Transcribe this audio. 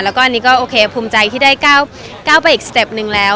แล้วก็อันนี้ก็โอเคภูมิใจที่ได้ก้าวไปอีกสเต็ปหนึ่งแล้ว